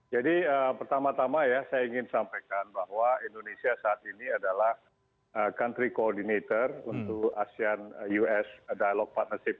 jadi pertama tama ya saya ingin sampaikan bahwa indonesia saat ini adalah country coordinator untuk asean us dialogue partnership